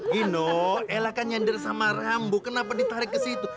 gino elah kan nyender sama rambut kenapa ditarik ke situ